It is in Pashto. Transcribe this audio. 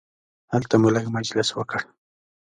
هلته مو لږ مجلس وکړ.